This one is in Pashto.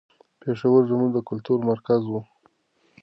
پېښور زموږ د کلتور مرکز و.